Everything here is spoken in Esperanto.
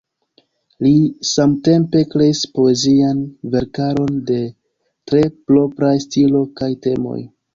Li samtempe kreis poezian verkaron de tre propraj stilo kaj temoj.